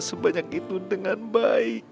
sebanyak itu dengan baik